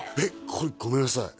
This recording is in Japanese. これごめんなさい